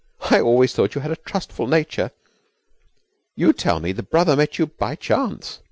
I always thought you had a trustful nature! You tell me the brother met you by chance.